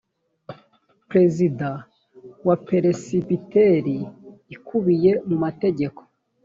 prezida wa peresibiteri ikubiye mu mategeko